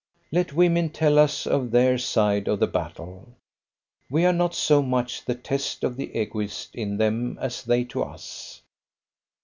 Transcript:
Let women tell us of their side of the battle. We are not so much the test of the Egoist in them as they to us.